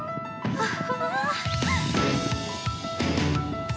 あっ。